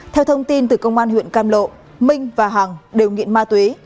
theo thông tin từ công an huyện cam lộ minh và hằng đều nghiện ma túy